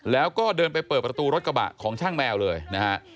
แล้วก็เดินไปเปิดประตูรถกระบะของช่างแมวเลยนะฮะ